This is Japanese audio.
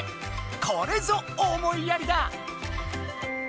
これぞ思いやりだ！